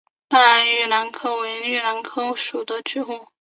大叶玉兰为木兰科木兰属的植物。